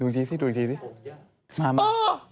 เดี๋ยวไปใกล้